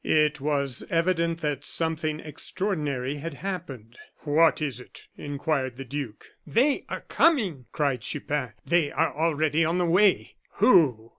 It was evident that something extraordinary had happened. "What is it?" inquired the duke. "They are coming!" cried Chupin; "they are already on the way!" "Who?